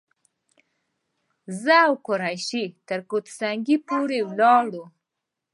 زه او قریشي تر کوټه سنګي پورې ولاړو.